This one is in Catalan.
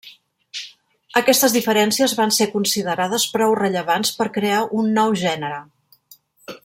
Aquestes diferències van ser considerades prou rellevants per crear un nou gènere.